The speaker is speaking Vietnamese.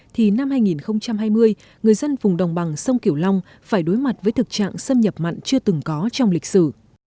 thì năm hai nghìn hai mươi người dân vùng đồng bằng sông kiểu long phải đối mặt với thực trạng xâm nhập mặn chưa từng có trong lịch sử